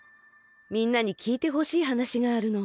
みんなにきいてほしいはなしがあるの。